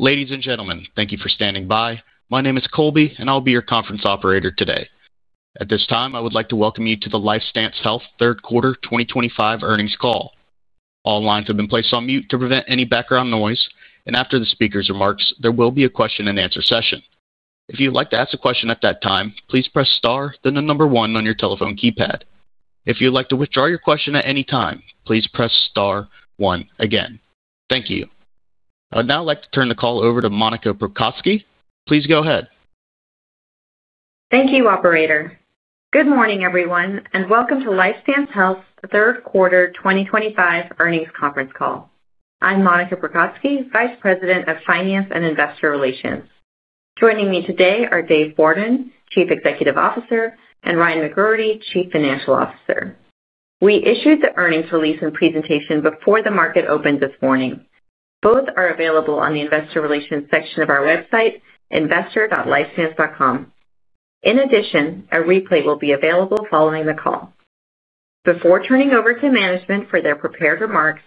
Ladies and gentlemen, thank you for standing by. My name is Colby, and I'll be your conference operator today. At this time, I would like to welcome you to the LifeStance Health third quarter 2025 earnings call. All lines have been placed on mute to prevent any background noise, and after the speaker's remarks, there will be a question-and-answer session. If you'd like to ask a question at that time, please press star, then the number one on your telephone keypad. If you'd like to withdraw your question at any time, please press star, one, again. Thank you. I would now like to turn the call over to Monica Prokopowicz. Please go ahead. Thank you, Operator. Good morning, everyone, and welcome to LifeStance Health third quarter 2025 earnings conference call. I'm Monica Prokopowicz, Vice President of Finance and Investor Relations. Joining me today are Dave Bourdon, Chief Executive Officer, and Ryan McGroarty, Chief Financial Officer. We issued the earnings release and presentation before the market opened this morning. Both are available on the Investor Relations section of our website, investor.lifestance.com. In addition, a replay will be available following the call. Before turning over to management for their prepared remarks,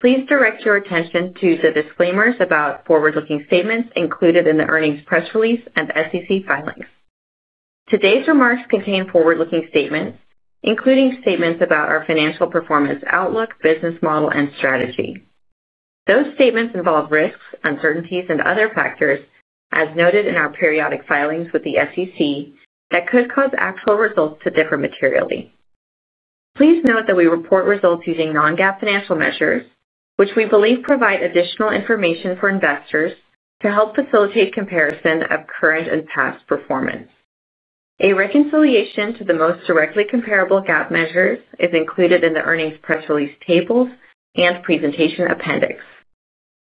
please direct your attention to the disclaimers about forward-looking statements included in the earnings press release and SEC filings. Today's remarks contain forward-looking statements, including statements about our financial performance outlook, business model, and strategy. Those statements involve risks, uncertainties, and other factors, as noted in our periodic filings with the SEC, that could cause actual results to differ materially. Please note that we report results using non-GAAP financial measures, which we believe provide additional information for investors to help facilitate comparison of current and past performance. A reconciliation to the most directly comparable GAAP measures is included in the earnings press release tables and presentation appendix.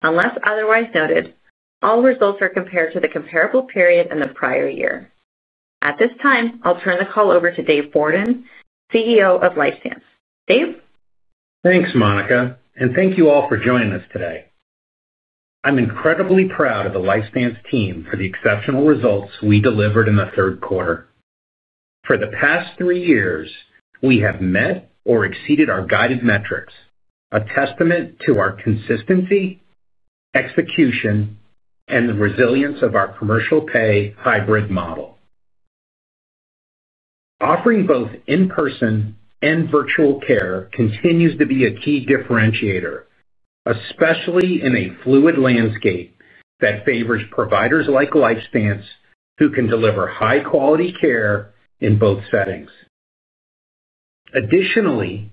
Unless otherwise noted, all results are compared to the comparable period and the prior year. At this time, I'll turn the call over to Dave Bourdon, CEO of LifeStance. Dave? Thanks, Monica, and thank you all for joining us today. I'm incredibly proud of the LifeStance team for the exceptional results we delivered in the third quarter. For the past three years, we have met or exceeded our guided metrics, a testament to our consistency, execution, and the resilience of our commercial pay hybrid model. Offering both in-person and virtual care continues to be a key differentiator, especially in a fluid landscape that favors providers like LifeStance who can deliver high-quality care in both settings. Additionally,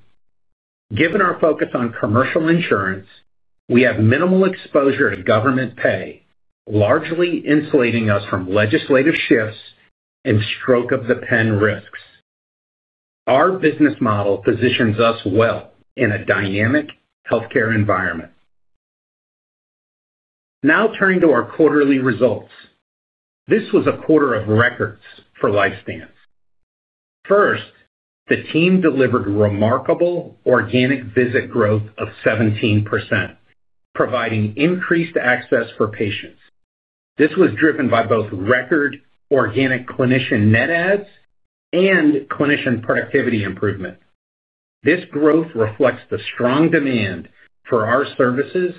given our focus on commercial insurance, we have minimal exposure to government pay, largely insulating us from legislative shifts and stroke-of-the-pen risks. Our business model positions us well in a dynamic healthcare environment. Now turning to our quarterly results, this was a quarter of records for LifeStance. First, the team delivered remarkable organic visit growth of 17%, providing increased access for patients. This was driven by both record organic clinician net adds and clinician productivity improvement. This growth reflects the strong demand for our services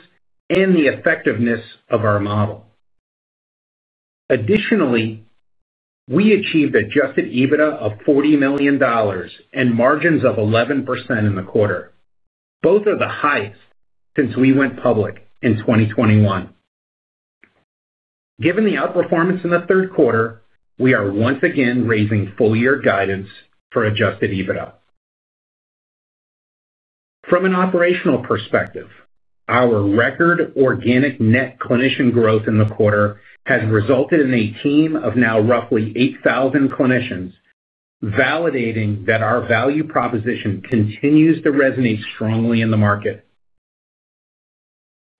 and the effectiveness of our model. Additionally, we achieved adjusted EBITDA of $40 million and margins of 11% in the quarter. Both are the highest since we went public in 2021. Given the outperformance in the third quarter, we are once again raising full-year guidance for adjusted EBITDA. From an operational perspective, our record organic net clinician growth in the quarter has resulted in a team of now roughly 8,000 clinicians, validating that our value proposition continues to resonate strongly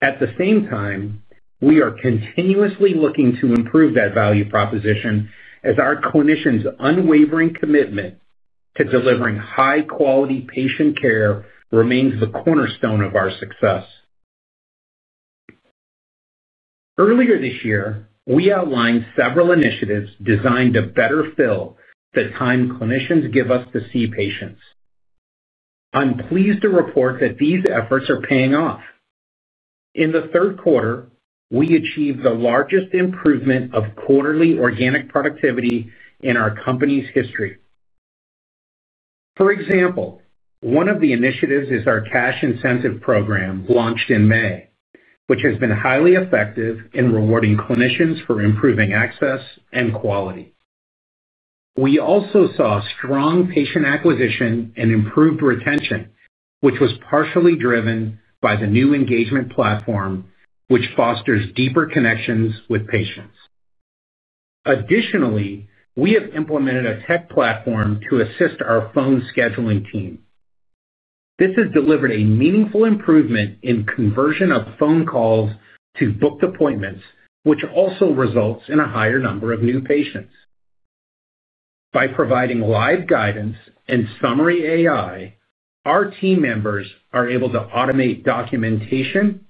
in the market. At the same time, we are continuously looking to improve that value proposition as our clinicians' unwavering commitment to delivering high-quality patient care remains the cornerstone of our success. Earlier this year, we outlined several initiatives designed to better fill the time clinicians give us to see patients. I'm pleased to report that these efforts are paying off. In the third quarter, we achieved the largest improvement of quarterly organic productivity in our company's history. For example, one of the initiatives is our cash incentive program launched in May, which has been highly effective in rewarding clinicians for improving access and quality. We also saw strong patient acquisition and improved retention, which was partially driven by the new engagement platform, which fosters deeper connections with patients. Additionally, we have implemented a tech platform to assist our phone scheduling team. This has delivered a meaningful improvement in conversion of phone calls to booked appointments, which also results in a higher number of new patients. By providing live guidance and summary AI, our team members are able to automate documentation.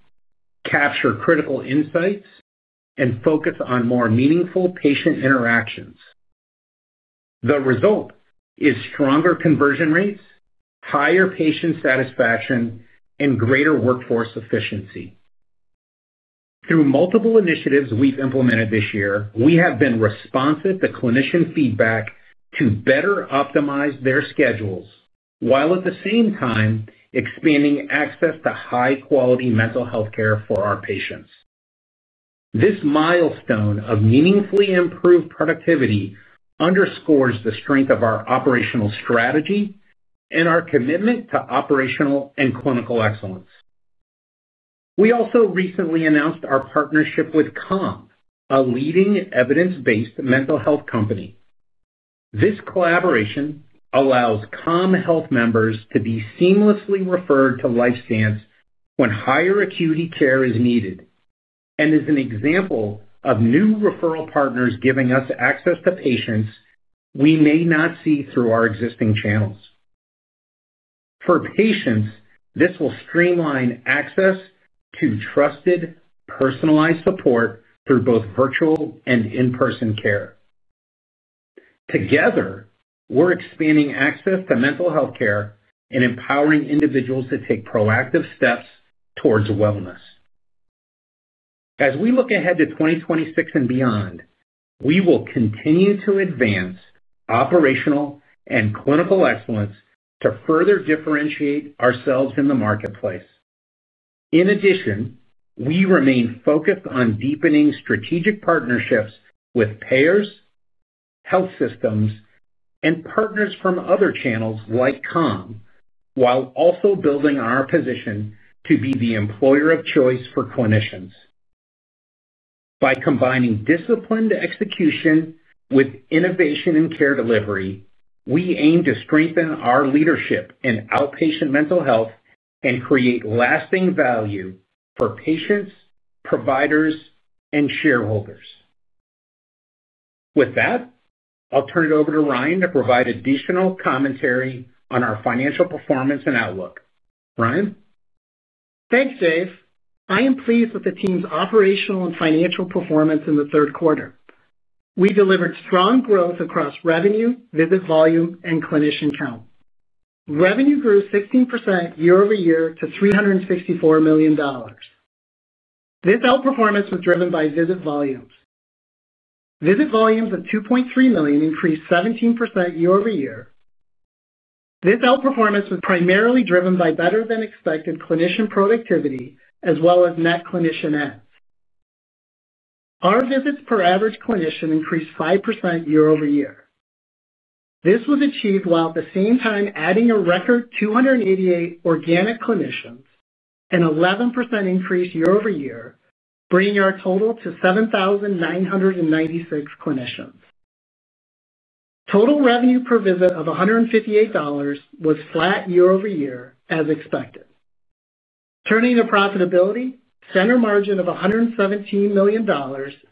Capture critical insights, and focus on more meaningful patient interactions. The result is stronger conversion rates, higher patient satisfaction, and greater workforce efficiency. Through multiple initiatives we've implemented this year, we have been responsive to clinician feedback to better optimize their schedules, while at the same time expanding access to high-quality mental health care for our patients. This milestone of meaningfully improved productivity underscores the strength of our operational strategy and our commitment to operational and clinical excellence. We also recently announced our partnership with Calm, a leading evidence-based mental health company. This collaboration allows Calm Health members to be seamlessly referred to LifeStance Health when higher acuity care is needed and is an example of new referral partners giving us access to patients we may not see through our existing channels. For patients, this will streamline access to trusted, personalized support through both virtual and in-person care. Together, we're expanding access to mental healthcare and empowering individuals to take proactive steps towards wellness. As we look ahead to 2026 and beyond, we will continue to advance operational and clinical excellence to further differentiate ourselves in the marketplace. In addition, we remain focused on deepening strategic partnerships with payers, health systems, and partners from other channels like Calm, while also building our position to be the employer of choice for clinicians. By combining disciplined execution with innovation in care delivery, we aim to strengthen our leadership in outpatient mental health and create lasting value for patients, providers, and shareholders. With that, I'll turn it over to Ryan to provide additional commentary on our financial performance and outlook. Ryan? Thanks, Dave. I am pleased with the team's operational and financial performance in the third quarter. We delivered strong growth across revenue, visit volume, and clinician count. Revenue grew 16% year over year to $364 million. This outperformance was driven by visit volumes. Visit volumes of 2.3 million increased 17% year over year. This outperformance was primarily driven by better-than-expected clinician productivity as well as net clinician adds. Our visits per average clinician increased 5% year over year. This was achieved while at the same time adding a record 288 organic clinicians, an 11% increase year over year, bringing our total to 7,996 clinicians. Total revenue per visit of $158 was flat year over year, as expected. Turning to profitability, center margin of $117 million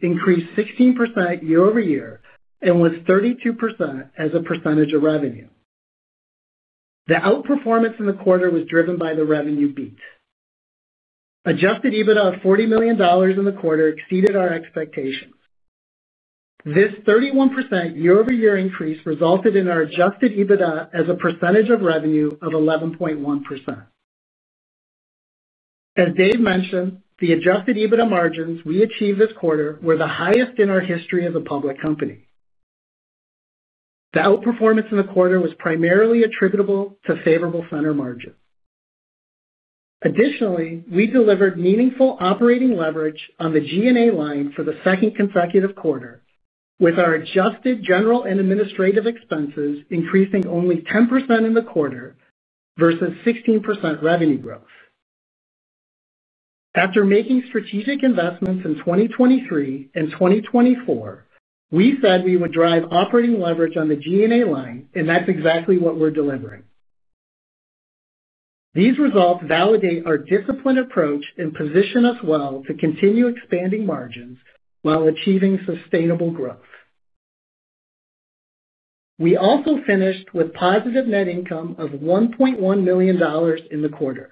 increased 16% year over year and was 32% as a percentage of revenue. The outperformance in the quarter was driven by the revenue beat. Adjusted EBITDA of $40 million in the quarter exceeded our expectations. This 31% year-over-year increase resulted in our adjusted EBITDA as a percentage of revenue of 11.1%. As Dave mentioned, the adjusted EBITDA margins we achieved this quarter were the highest in our history as a public company. The outperformance in the quarter was primarily attributable to favorable center margins. Additionally, we delivered meaningful operating leverage on the G&A line for the second consecutive quarter, with our adjusted general and administrative expenses increasing only 10% in the quarter versus 16% revenue growth. After making strategic investments in 2023 and 2024, we said we would drive operating leverage on the G&A line, and that's exactly what we're delivering. These results validate our disciplined approach and position us well to continue expanding margins while achieving sustainable growth. We also finished with positive net income of $1.1 million in the quarter.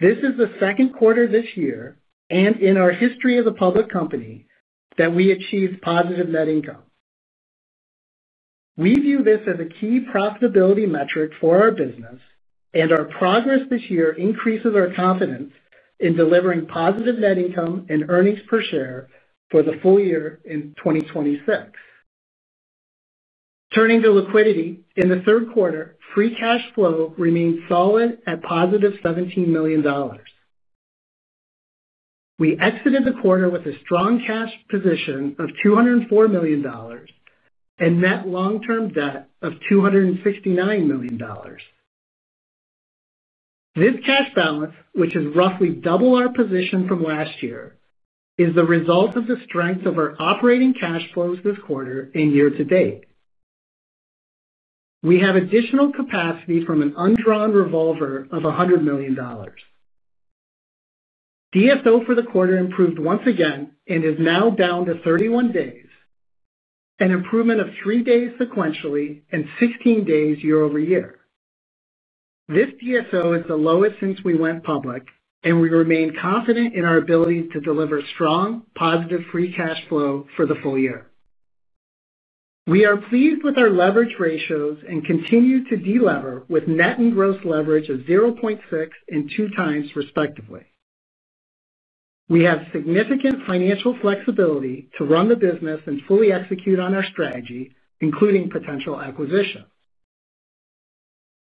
This is the second quarter this year and in our history as a public company that we achieved positive net income. We view this as a key profitability metric for our business, and our progress this year increases our confidence in delivering positive net income and earnings per share for the full year in 2026. Turning to liquidity, in the third quarter, free cash flow remained solid at positive $17 million. We exited the quarter with a strong cash position of $204 million. Net long-term debt of $269 million. This cash balance, which is roughly double our position from last year, is the result of the strength of our operating cash flows this quarter and year to date. We have additional capacity from an undrawn revolver of $100 million. DSO for the quarter improved once again and is now down to 31 days. An improvement of three days sequentially and 16 days year over year. This DSO is the lowest since we went public, and we remain confident in our ability to deliver strong, positive free cash flow for the full year. We are pleased with our leverage ratios and continue to delever with net and gross leverage of 0.6 and 2x, respectively. We have significant financial flexibility to run the business and fully execute on our strategy, including potential acquisitions.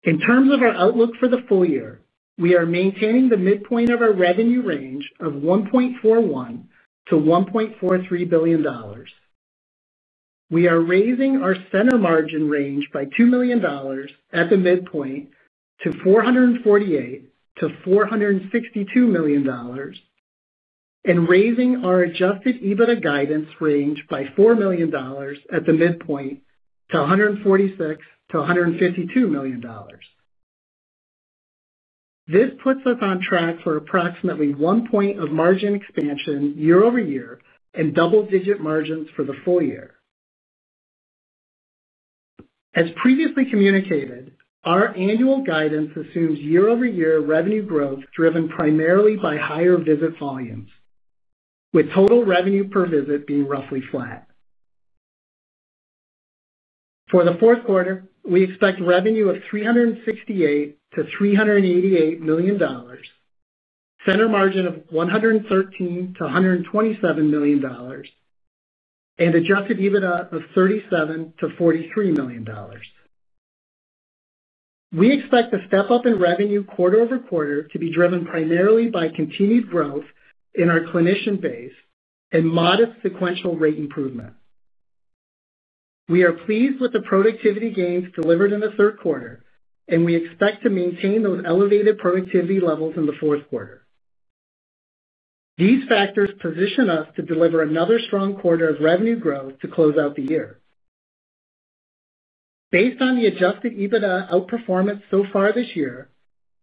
In terms of our outlook for the full year, we are maintaining the midpoint of our revenue range of $1.41 billion-$1.43 billion. We are raising our center margin range by $2 million at the midpoint to $448 million-$462 million. We are raising our adjusted EBITDA guidance range by $4 million at the midpoint to $146-$152 million. This puts us on track for approximately one point of margin expansion year over year and double-digit margins for the full year. As previously communicated, our annual guidance assumes year-over-year revenue growth driven primarily by higher visit volumes, with total revenue per visit being roughly flat. For the fourth quarter, we expect revenue of $368 million-$388 million. Center margin of $113 million-$127 million. And adjusted EBITDA of $37 million-$43 million. We expect the step-up in revenue quarter over quarter to be driven primarily by continued growth in our clinician base and modest sequential rate improvement. We are pleased with the productivity gains delivered in the third quarter, and we expect to maintain those elevated productivity levels in the fourth quarter. These factors position us to deliver another strong quarter of revenue growth to close out the year. Based on the adjusted EBITDA outperformance so far this year,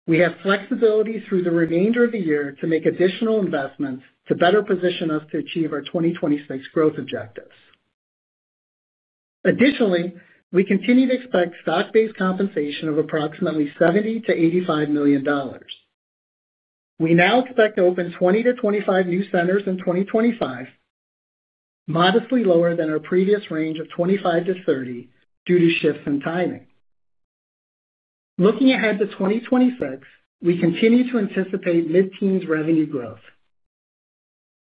we have flexibility through the remainder of the year to make additional investments to better position us to achieve our 2026 growth objectives. Additionally, we continue to expect stock-based compensation of approximately $70 million-$85 million. We now expect to open 20-25 new centers in 2025, modestly lower than our previous range of 25-30 due to shifts in timing. Looking ahead to 2026, we continue to anticipate mid-teens revenue growth.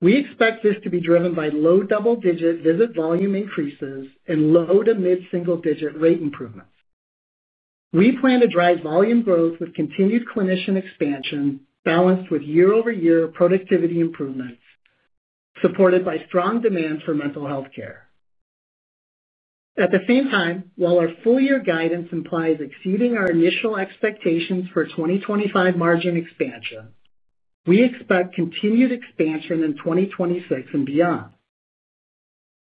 We expect this to be driven by low double-digit visit volume increases and low to mid-single-digit rate improvements. We plan to drive volume growth with continued clinician expansion balanced with year-over-year productivity improvements, supported by strong demand for mental healthcare. At the same time, while our full-year guidance implies exceeding our initial expectations for 2025 margin expansion, we expect continued expansion in 2026 and beyond.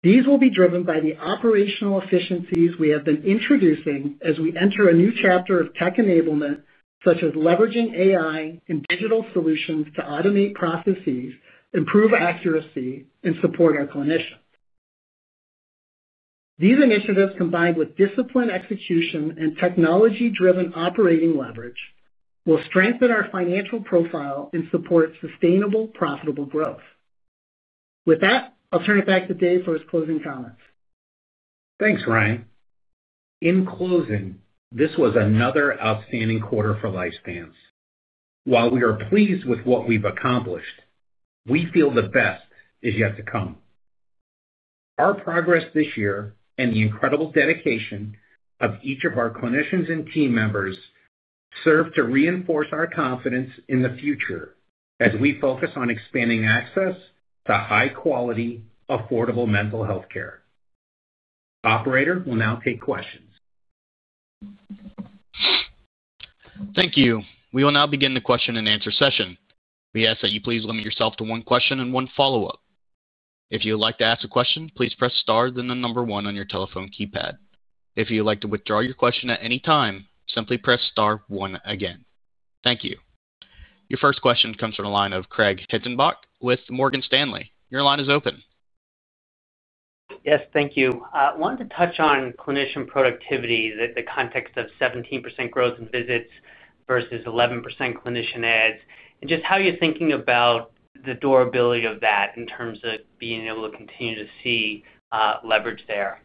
These will be driven by the operational efficiencies we have been introducing as we enter a new chapter of tech enablement, such as leveraging AI and digital solutions to automate processes, improve accuracy, and support our clinicians. These initiatives, combined with discipline execution and technology-driven operating leverage, will strengthen our financial profile and support sustainable, profitable growth. With that, I'll turn it back to Dave for his closing comments. Thanks, Ryan. In closing, this was another outstanding quarter for LifeStance. While we are pleased with what we've accomplished, we feel the best is yet to come. Our progress this year and the incredible dedication of each of our clinicians and team members serve to reinforce our confidence in the future as we focus on expanding access to high-quality, affordable mental healthcare. Operator will now take questions. Thank you. We will now begin the question and answer session. We ask that you please limit yourself to one question and one follow-up. If you would like to ask a question, please press star then the number one on your telephone keypad. If you would like to withdraw your question at any time, simply press star one again. Thank you. Your first question comes from the line of Craig Hettenbach with Morgan Stanley. Your line is open. Yes, thank you. I wanted to touch on clinician productivity in the context of 17% growth in visits versus 11% clinician adds, and just how you're thinking about the durability of that in terms of being able to continue to see leverage there.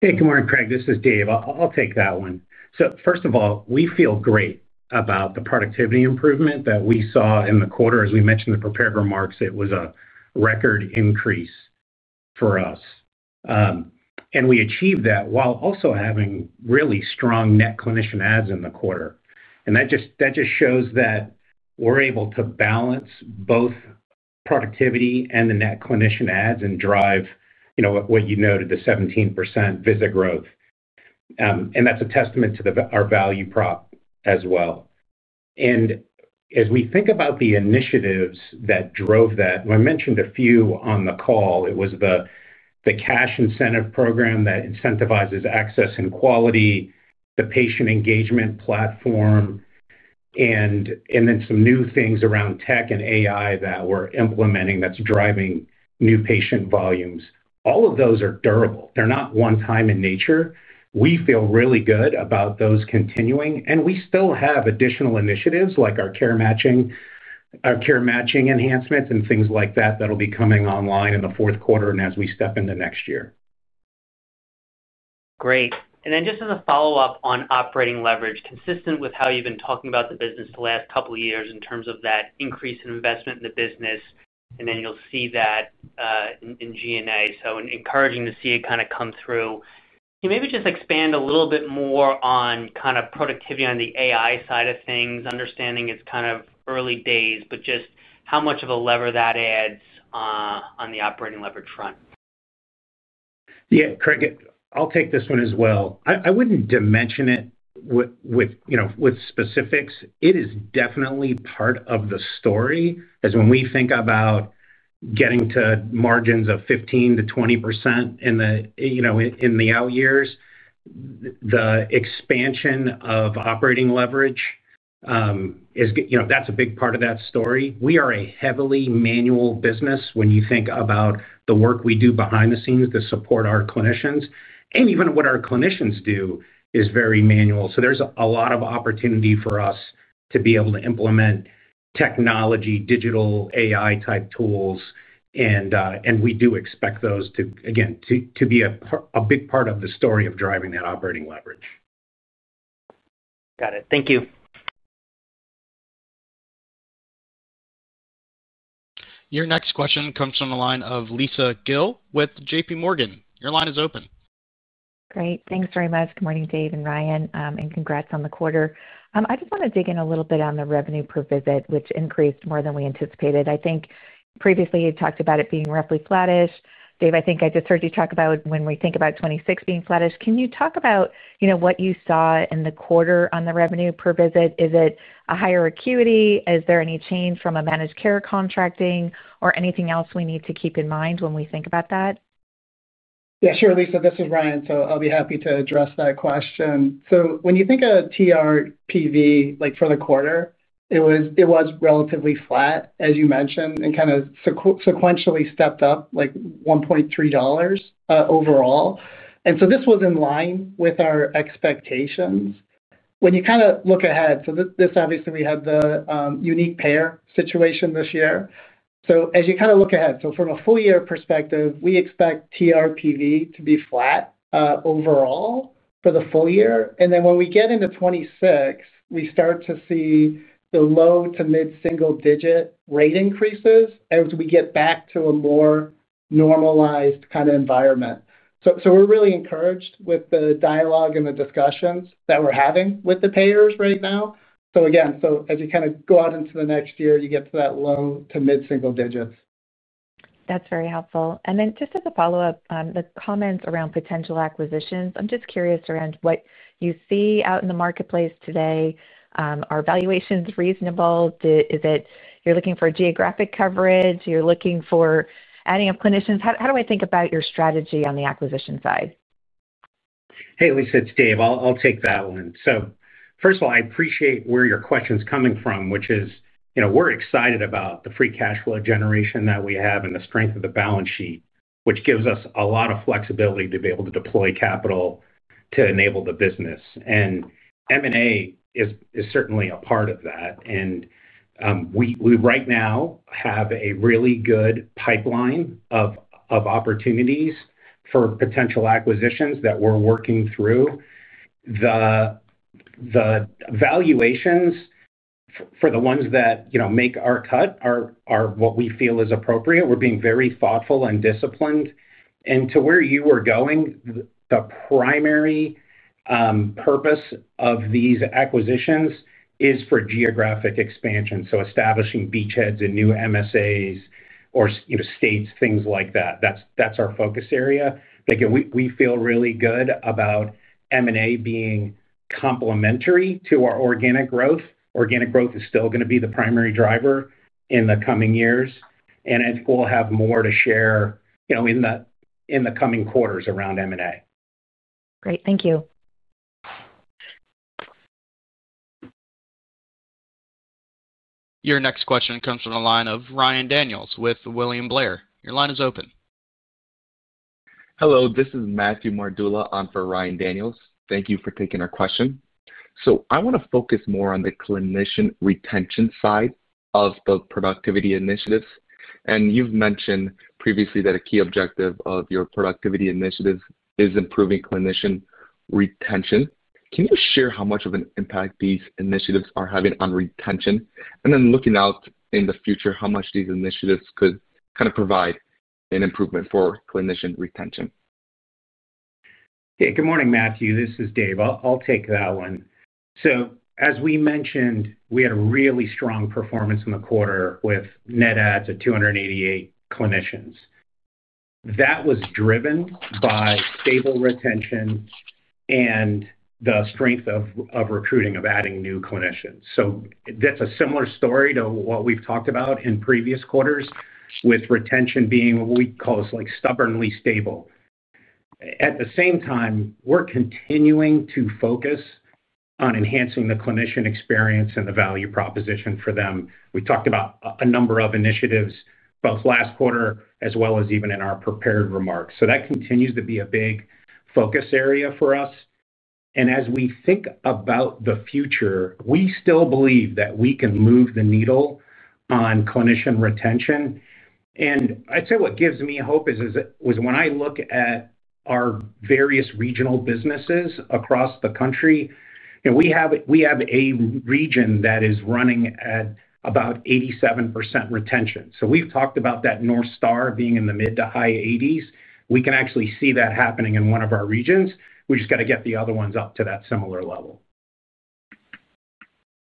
Hey, good morning, Craig. This is Dave. I'll take that one. First of all, we feel great about the productivity improvement that we saw in the quarter. As we mentioned in the prepared remarks, it was a record increase for us. We achieved that while also having really strong net clinician adds in the quarter. That just shows that we're able to balance both productivity and the net clinician adds and drive what you noted, the 17% visit growth. That's a testament to our value prop as well. As we think about the initiatives that drove that, I mentioned a few on the call. It was the cash incentive program that incentivizes access and quality, the patient engagement platform, and then some new things around tech and AI that we're implementing that's driving new patient volumes. All of those are durable. They're not one-time in nature. We feel really good about those continuing. We still have additional initiatives like our care matching, enhancements and things like that that'll be coming online in the fourth quarter and as we step into next year. Great. And then just as a follow-up on operating leverage, consistent with how you've been talking about the business the last couple of years in terms of that increase in investment in the business. Then you'll see that in G&A. So encouraging to see it kind of come through. Can you maybe just expand a little bit more on kind of productivity on the AI side of things, understanding it's kind of early days, but just how much of a lever that adds on the operating leverage front? Yeah, Craig, I'll take this one as well. I wouldn't dimension it with specifics. It is definitely part of the story. As when we think about getting to margins of 15%-20% in the out years, the expansion of operating leverage, that's a big part of that story. We are a heavily manual business when you think about the work we do behind the scenes to support our clinicians. Even what our clinicians do is very manual. There is a lot of opportunity for us to be able to implement technology, digital AI-type tools. We do expect those, again, to be a big part of the story of driving that operating leverage. Got it. Thank you. Your next question comes from the line of Lisa Gill with JP Morgan. Your line is open. Great. Thanks very much. Good morning, Dave and Ryan. And congrats on the quarter. I just want to dig in a little bit on the revenue per visit, which increased more than we anticipated. I think previously you talked about it being roughly flattish. Dave, I think I just heard you talk about when we think about '26 being flattish. Can you talk about what you saw in the quarter on the revenue per visit? Is it a higher acuity? Is there any change from a managed care contracting or anything else we need to keep in mind when we think about that? Yeah, sure, Lisa. This is Ryan. I'll be happy to address that question. When you think of TRPV for the quarter, it was relatively flat, as you mentioned, and kind of sequentially stepped up like $1.3 overall. This was in line with our expectations. When you look ahead, this obviously, we had the unique payer situation this year. As you look ahead, from a full-year perspective, we expect TRPV to be flat overall for the full year. When we get into 2026, we start to see the low to mid-single-digit rate increases as we get back to a more normalized kind of environment. We're really encouraged with the dialogue and the discussions that we're having with the payers right now. Again, as you kind of go out into the next year, you get to that low to mid-single digits. That's very helpful. Just as a follow-up on the comments around potential acquisitions, I'm just curious around what you see out in the marketplace today. Are valuations reasonable? Is it you're looking for geographic coverage? You're looking for adding of clinicians? How do I think about your strategy on the acquisition side? Hey, Lisa, it's Dave. I'll take that one. First of all, I appreciate where your question's coming from, which is we're excited about the free cash flow generation that we have and the strength of the balance sheet, which gives us a lot of flexibility to be able to deploy capital to enable the business. M&A is certainly a part of that. We right now have a really good pipeline of opportunities for potential acquisitions that we're working through. The valuations for the ones that make our cut are what we feel is appropriate. We're being very thoughtful and disciplined. To where you were going, the primary purpose of these acquisitions is for geographic expansion, establishing beachheads in new MSAs or states, things like that. That's our focus area. We feel really good about M&A being complementary to our organic growth. Organic growth is still going to be the primary driver in the coming years. I think we'll have more to share in the coming quarters around M&A. Great. Thank you. Your next question comes from the line of Ryan Daniels with William Blair. Your line is open. Hello, this is Matthew Mardulla on for Ryan Daniels. Thank you for taking our question. I want to focus more on the clinician retention side of the productivity initiatives. You've mentioned previously that a key objective of your productivity initiatives is improving clinician retention. Can you share how much of an impact these initiatives are having on retention? Looking out in the future, how much these initiatives could kind of provide an improvement for clinician retention? Hey, good morning, Matthew. This is Dave. I'll take that one. As we mentioned, we had a really strong performance in the quarter with net adds of 288 clinicians. That was driven by stable retention and the strength of recruiting, of adding new clinicians. That's a similar story to what we've talked about in previous quarters, with retention being what we call stubbornly stable. At the same time, we're continuing to focus on enhancing the clinician experience and the value proposition for them. We talked about a number of initiatives both last quarter as well as even in our prepared remarks. That continues to be a big focus area for us. As we think about the future, we still believe that we can move the needle on clinician retention. I'd say what gives me hope is when I look at our various regional businesses across the country, we have a region that is running at about 87% retention. We've talked about that North Star being in the mid to high 80s. We can actually see that happening in one of our regions. We just got to get the other ones up to that similar level.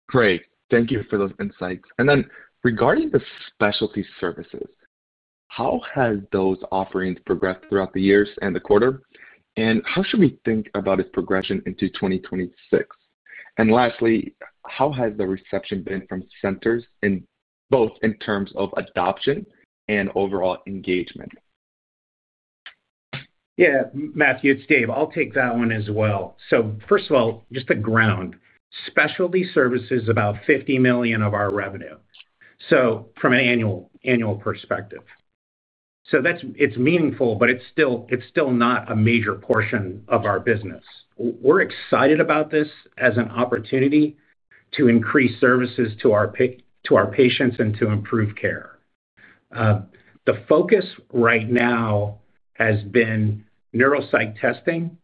Great. Thank you for those insights. Regarding the specialty services, how have those offerings progressed throughout the years and the quarter? How should we think about its progression into 2026? Lastly, how has the reception been from centers both in terms of adoption and overall engagement? Yeah, Matthew, it's Dave. I'll take that one as well. First of all, just the ground. Specialty services is about $50 million of our revenue, so from an annual perspective. It is meaningful, but it is still not a major portion of our business. We're excited about this as an opportunity to increase services to our patients and to improve care. The focus right now has been neuropsych testing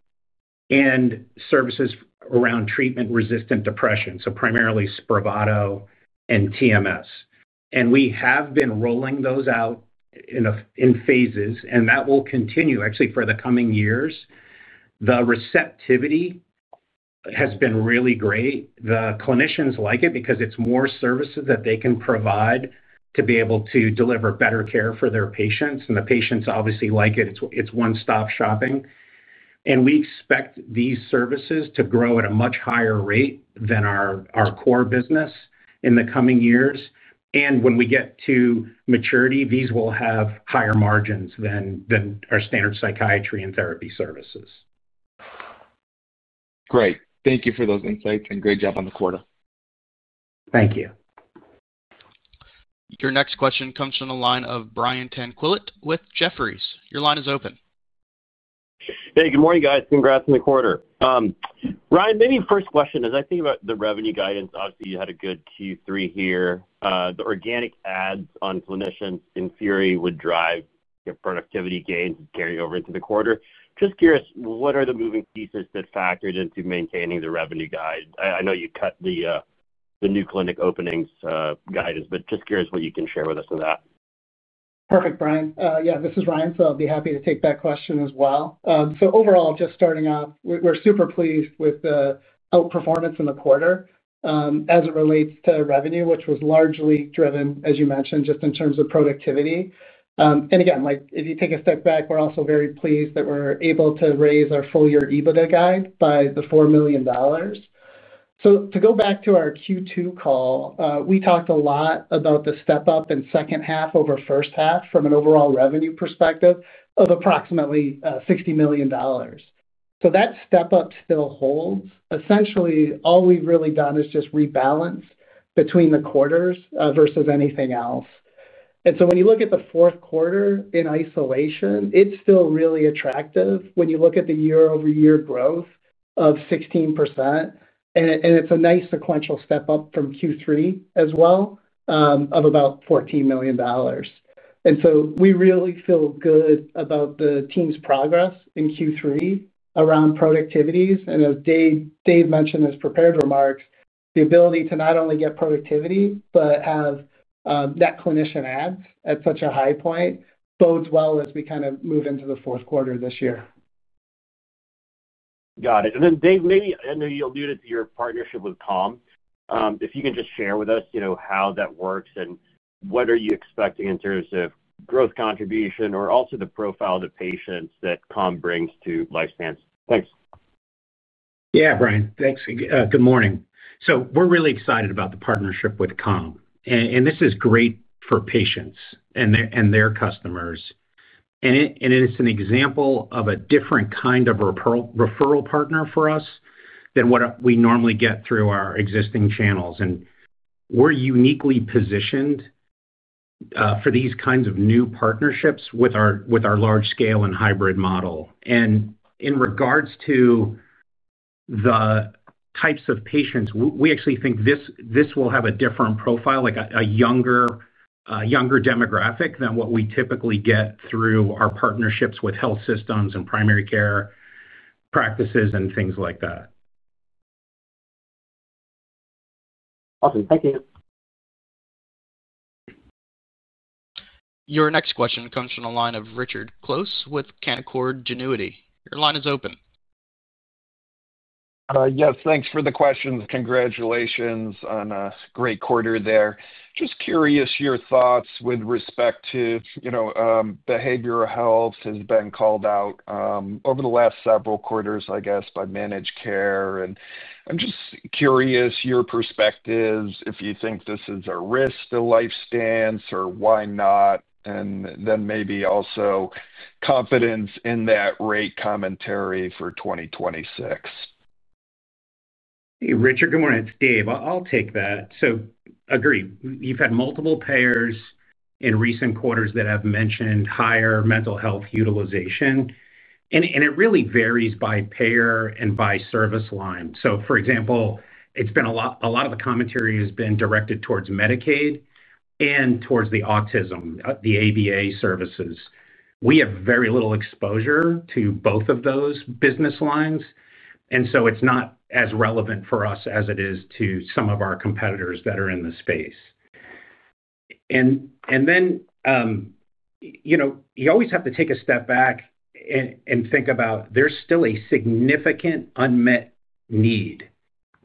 and services around treatment-resistant depression, so primarily Spravato and TMS. We have been rolling those out in phases, and that will continue actually for the coming years. The receptivity has been really great. The clinicians like it because it is more services that they can provide to be able to deliver better care for their patients. The patients obviously like it. It is one-stop shopping. We expect these services to grow at a much higher rate than our core business in the coming years. When we get to maturity, these will have higher margins than our standard psychiatry and therapy services. Great. Thank you for those insights. Great job on the quarter. Thank you. Your next question comes from the line of Brian Tanquilut with Jefferies. Your line is open. Hey, good morning, guys. Congrats on the quarter. Ryan, maybe first question, as I think about the revenue guidance, obviously you had a good Q3 here. The organic adds on clinicians in theory would drive productivity gains and carry over into the quarter. Just curious, what are the moving pieces that factored into maintaining the revenue guide? I know you cut the new clinic openings guidance, but just curious what you can share with us on that. Perfect, Brian. Yeah, this is Ryan, so I'll be happy to take that question as well. Overall, just starting off, we're super pleased with the outperformance in the quarter as it relates to revenue, which was largely driven, as you mentioned, just in terms of productivity. Again, if you take a step back, we're also very pleased that we're able to raise our full-year EBITDA guide by the $4 million. To go back to our Q2 call, we talked a lot about the step-up in second half over first half from an overall revenue perspective of approximately $60 million. That step-up still holds. Essentially, all we've really done is just rebalance between the quarters versus anything else. When you look at the fourth quarter in isolation, it's still really attractive when you look at the year-over-year growth of 16%. It is a nice sequential step-up from Q3 as well of about $14 million. We really feel good about the team's progress in Q3 around productivities. As Dave mentioned in his prepared remarks, the ability to not only get productivity but have net clinician adds at such a high point bodes well as we kind of move into the fourth quarter this year. Got it. Dave, maybe I know you alluded to your partnership with Calm. If you can just share with us how that works and what are you expecting in terms of growth contribution or also the profile of the patients that Calm brings to LifeStance. Thanks. Yeah, Brian. Thanks. Good morning. We're really excited about the partnership with Calm. This is great for patients and their customers. It's an example of a different kind of referral partner for us than what we normally get through our existing channels. We're uniquely positioned for these kinds of new partnerships with our large scale and hybrid model. In regards to the types of patients, we actually think this will have a different profile, a younger demographic than what we typically get through our partnerships with health systems and primary care practices and things like that. Awesome. Thank you. Your next question comes from the line of Richard Close with Canaccord Genuity. Your line is open. Yes, thanks for the questions. Congratulations on a great quarter there. Just curious your thoughts with respect to behavioral health has been called out over the last several quarters, I guess, by managed care. I'm just curious your perspectives if you think this is a risk to LifeStance or why not, and then maybe also confidence in that rate commentary for 2026. Hey, Richard, good morning. It's Dave. I'll take that. Agreed. You've had multiple payers in recent quarters that have mentioned higher mental health utilization. It really varies by payer and by service line. For example, a lot of the commentary has been directed towards Medicaid and towards the autism, the ABA services. We have very little exposure to both of those business lines. It's not as relevant for us as it is to some of our competitors that are in the space. You always have to take a step back and think about there's still a significant unmet need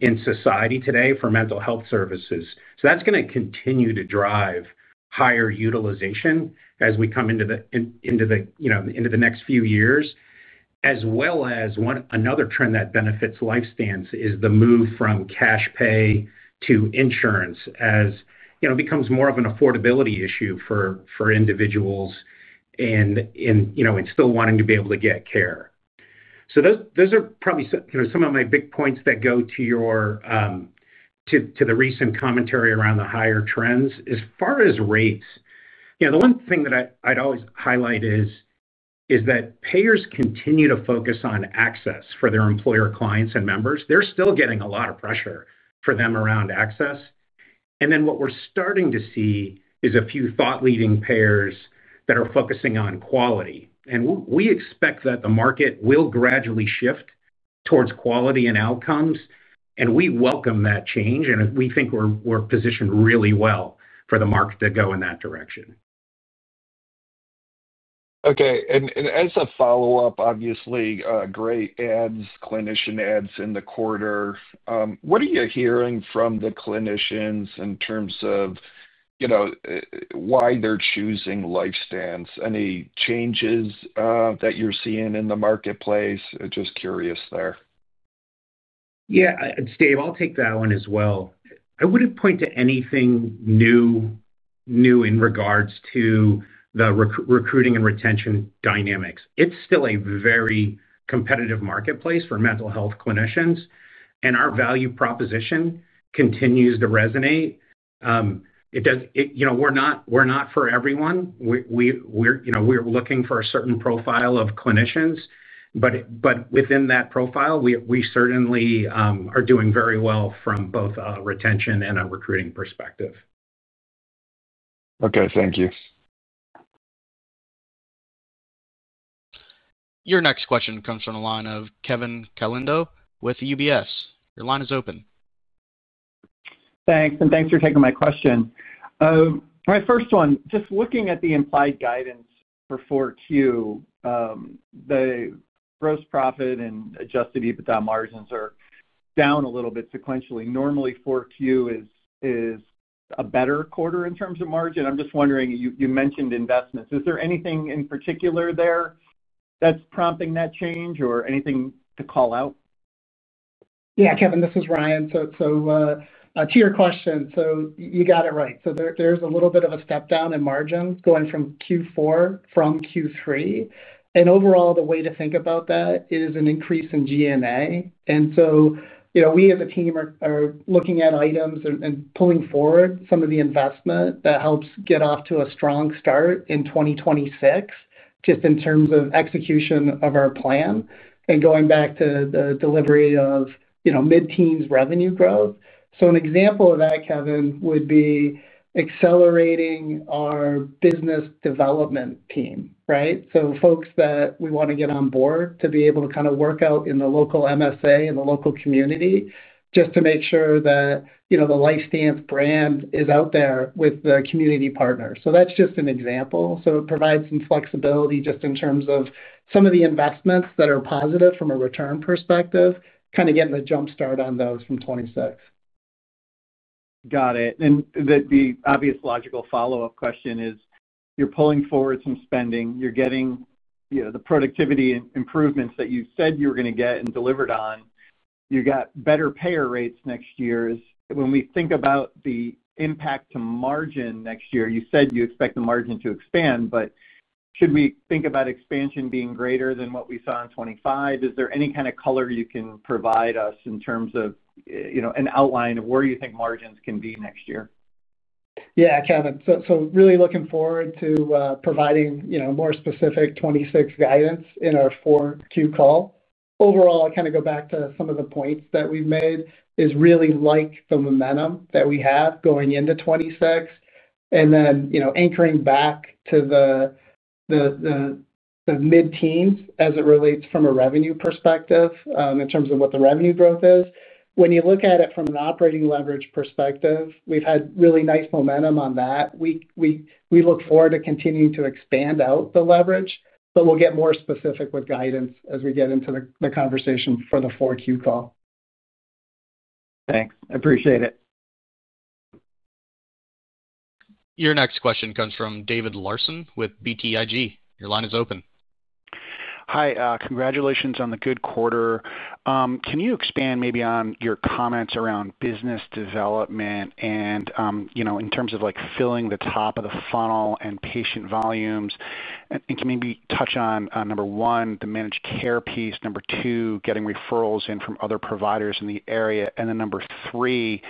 in society today for mental health services. That's going to continue to drive higher utilization as we come into the. Next few years, as well as another trend that benefits LifeStance is the move from cash pay to insurance as it becomes more of an affordability issue for individuals and still wanting to be able to get care. Those are probably some of my big points that go to the recent commentary around the higher trends. As far as rates, the one thing that I'd always highlight is that payers continue to focus on access for their employer clients and members. They're still getting a lot of pressure for them around access. What we're starting to see is a few thought-leading payers that are focusing on quality. We expect that the market will gradually shift towards quality and outcomes. We welcome that change. We think we're positioned really well for the market to go in that direction. Okay. And as a follow-up, obviously, great adds, clinician adds in the quarter. What are you hearing from the clinicians in terms of why they're choosing LifeStance? Any changes that you're seeing in the marketplace? Just curious there. Yeah, Dave, I'll take that one as well. I wouldn't point to anything new. In regards to the recruiting and retention dynamics. It's still a very competitive marketplace for mental health clinicians. And our value proposition continues to resonate. We're not for everyone. We're looking for a certain profile of clinicians. But within that profile, we certainly are doing very well from both a retention and a recruiting perspective. Okay. Thank you. Your next question comes from the line of Kevin Caliendo with UBS. Your line is open. Thanks. Thanks for taking my question. My first one, just looking at the implied guidance for Q4. The gross profit and adjusted EBITDA margins are down a little bit sequentially. Normally, Q4 is a better quarter in terms of margin. I'm just wondering, you mentioned investments. Is there anything in particular there that's prompting that change or anything to call out? Yeah, Kevin, this is Ryan. To your question, you got it right. There is a little bit of a step down in margins going from Q4 from Q3. Overall, the way to think about that is an increase in GNA. We as a team are looking at items and pulling forward some of the investment that helps get off to a strong start in 2026 just in terms of execution of our plan and going back to the delivery of mid-teens revenue growth. An example of that, Kevin, would be accelerating our business development team, right? Folks that we want to get on board to be able to kind of work out in the local MSA and the local community just to make sure that the LifeStance brand is out there with the community partners. That is just an example. It provides some flexibility just in terms of some of the investments that are positive from a return perspective, kind of getting a jumpstart on those from 2026. Got it. The obvious logical follow-up question is you're pulling forward some spending. You're getting the productivity improvements that you said you were going to get and delivered on. You got better payer rates next year. When we think about the impact to margin next year, you said you expect the margin to expand, but should we think about expansion being greater than what we saw in 2025? Is there any kind of color you can provide us in terms of an outline of where you think margins can be next year? Yeah, Kevin. So really looking forward to providing more specific 2026 guidance in our 4Q call. Overall, I kind of go back to some of the points that we've made is really like the momentum that we have going into 2026. And then anchoring back to the mid-teens as it relates from a revenue perspective in terms of what the revenue growth is. When you look at it from an operating leverage perspective, we've had really nice momentum on that. We look forward to continuing to expand out the leverage, but we'll get more specific with guidance as we get into the conversation for the 4Q call. Thanks. I appreciate it. Your next question comes from David Larsen with BTIG. Your line is open. Hi. Congratulations on the good quarter. Can you expand maybe on your comments around business development and, in terms of filling the top of the funnel and patient volumes? Can you maybe touch on number one, the managed care piece, number two, getting referrals in from other providers in the area, and then number three,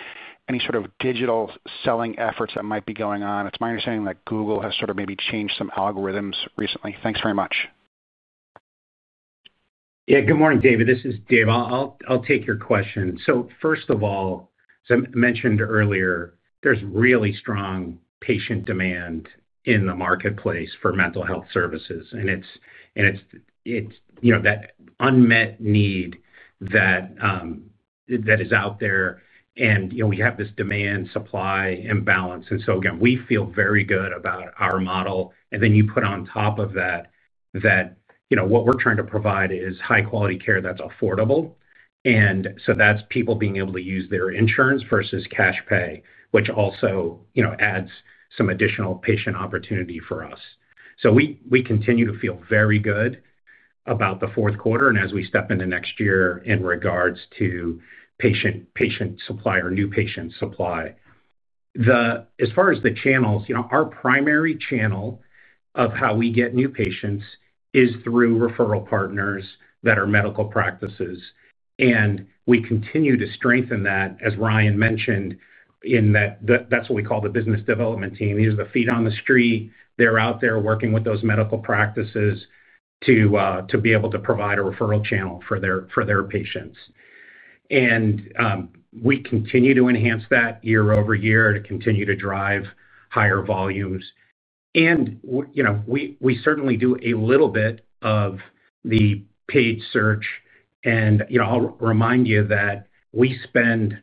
any sort of digital selling efforts that might be going on? It's my understanding that Google has sort of maybe changed some algorithms recently. Thanks very much. Yeah. Good morning, David. This is Dave. I'll take your question. First of all, as I mentioned earlier, there's really strong patient demand in the marketplace for mental health services. It's that unmet need that is out there, and we have this demand, supply, and balance. We feel very good about our model. Then you put on top of that what we're trying to provide is high-quality care that's affordable. That's people being able to use their insurance versus cash pay, which also adds some additional patient opportunity for us. We continue to feel very good about the fourth quarter. As we step into next year in regards to patient supply or new patient supply, as far as the channels, our primary channel of how we get new patients is through referral partners that are medical practices. We continue to strengthen that, as Ryan mentioned, in that that's what we call the business development team. These are the feet on the street. They're out there working with those medical practices to be able to provide a referral channel for their patients. We continue to enhance that year over year to continue to drive higher volumes. We certainly do a little bit of the paid search. I'll remind you that we spend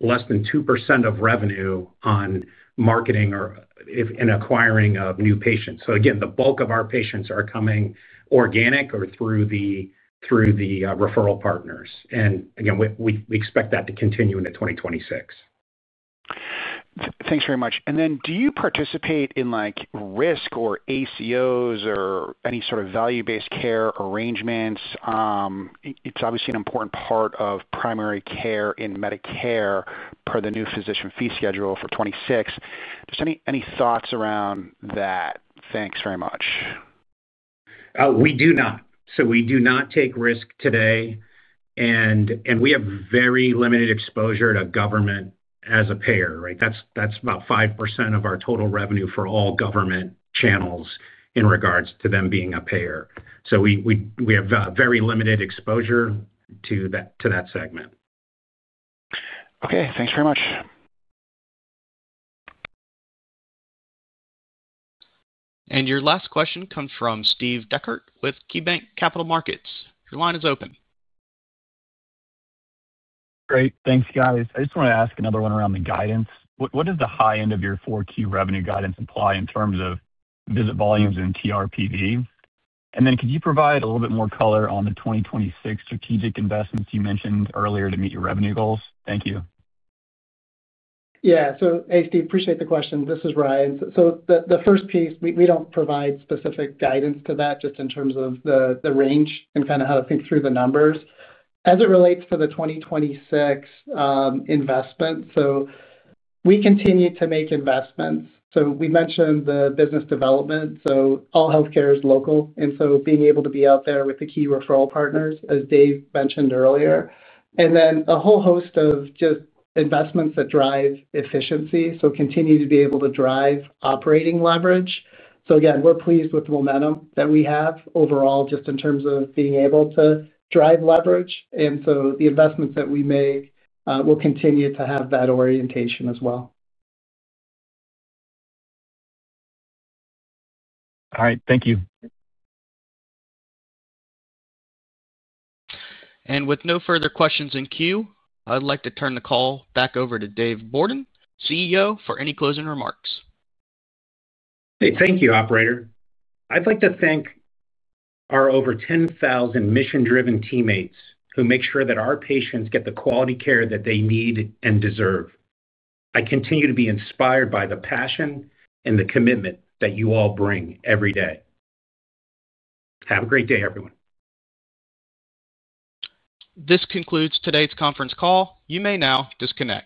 less than 2% of revenue on marketing or in acquiring new patients. Again, the bulk of our patients are coming organic or through the referral partners. We expect that to continue into 2026. Thanks very much. Do you participate in risk or ACOs or any sort of value-based care arrangements? It's obviously an important part of primary care in Medicare per the new physician fee schedule for 2026. Just any thoughts around that? Thanks very much. We do not. We do not take risk today. We have very limited exposure to government as a payer, right? That's about 5% of our total revenue for all government channels in regards to them being a payer. We have very limited exposure to that segment. Okay. Thanks very much. Your last question comes from Steve Dechert with KeyBank Capital Markets. Your line is open. Great. Thanks, guys. I just want to ask another one around the guidance. What does the high end of your Q4 revenue guidance imply in terms of visit volumes and TRPV? And then could you provide a little bit more color on the 2026 strategic investments you mentioned earlier to meet your revenue goals? Thank you. Yeah. So hey, Steve, appreciate the question. This is Ryan. The first piece, we do not provide specific guidance to that just in terms of the range and kind of how to think through the numbers. As it relates to the 2026 investment, we continue to make investments. We mentioned the business development. All healthcare is local. Being able to be out there with the key referral partners, as Dave mentioned earlier, and then a whole host of just investments that drive efficiency, we continue to be able to drive operating leverage. We are pleased with the momentum that we have overall just in terms of being able to drive leverage. The investments that we make will continue to have that orientation as well. All right. Thank you. With no further questions in queue, I'd like to turn the call back over to Dave Bourdon, CEO, for any closing remarks. Hey, thank you, operator. I'd like to thank our over 10,000 mission-driven teammates who make sure that our patients get the quality care that they need and deserve. I continue to be inspired by the passion and the commitment that you all bring every day. Have a great day, everyone. This concludes today's conference call. You may now disconnect.